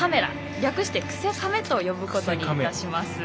略して「クセカメ」と呼ぶことにいたします。